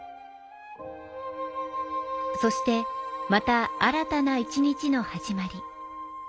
そしてまた新たな１日の始まり。